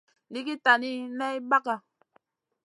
Nʼiigui tani ney ɓaga.